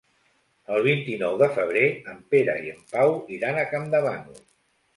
El vint-i-nou de febrer en Pere i en Pau iran a Campdevànol.